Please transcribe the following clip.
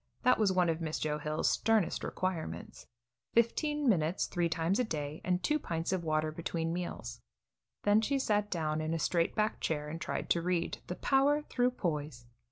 That was one of Miss Joe Hill's sternest requirements fifteen minutes three times a day and two pints of water between meals. Then she sat down in a straight back chair and tried to read "The Power Through Poise."